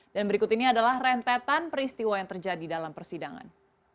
dan berikut ini adalah rentetan peristiwa yang terjadi dalam persidangan